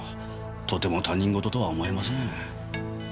とても他人事とは思えません。